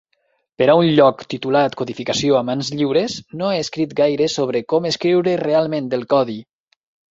Per a un lloc titulat "Codificació a mans lliures", no he escrit gaire sobre "Com escriure realment el codi".